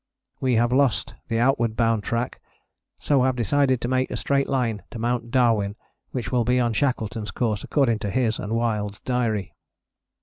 We have lost the outward bound track, so have decided to make a straight line to Mt. Darwin, which will be on Shackleton's course according to his and Wild's Diary.